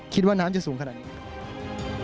คิดว่าน้ำจะสูงขนาดนี้